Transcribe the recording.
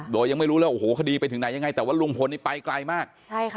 โดยยังไม่รู้เลยโอ้โหคดีไปถึงไหนยังไงแต่ว่าลุงพลนี่ไปไกลมาก